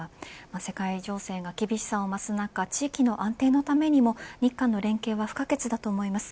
世界情勢が厳しさを増す中地域の安定のためにも日韓の連携は不可欠だと思います。